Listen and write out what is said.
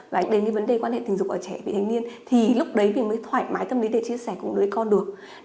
và đến cái vấn đề quan hệ tình dục ở trẻ vị thành niên thì lúc đấy mình mới thoải mái tâm lý để chia sẻ cùng với con được